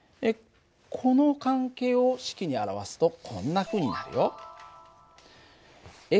この関係を式に表すとこんなふうになるよ。